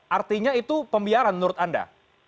artinya itu pembiaran menurut anda